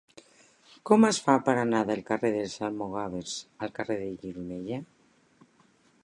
Com es fa per anar del carrer dels Almogàvers al carrer de Gironella?